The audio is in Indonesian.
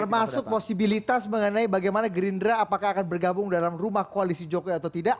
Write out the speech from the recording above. termasuk posibilitas mengenai bagaimana gerindra apakah akan bergabung dalam rumah koalisi jokowi atau tidak